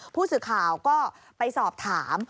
ผู้สื่อข่าวก็ไปสอบถาม